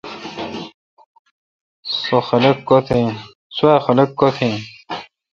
سوا خلق کوتھ این۔